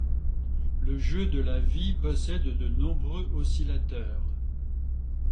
Le jeu de la vie possède de nombreux oscillateurs.